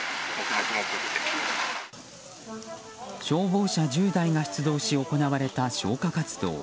消防車１０台が出動し行われた消火活動。